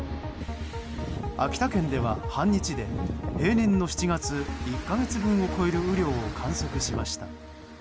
秋田県では半日で平年の７月１か月分を超える雨量を観測しました。